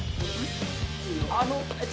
あのえっと。